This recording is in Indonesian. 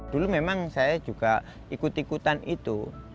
dulu memang saya juga ikut ikutan itu